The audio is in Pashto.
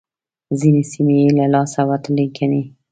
ځينې سيمې يې له لاسه وتلې ګڼلې.